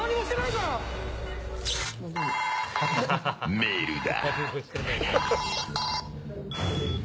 メールだ。